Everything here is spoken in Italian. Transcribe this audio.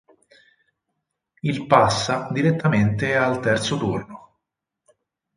Il passa direttamente al terzo turno.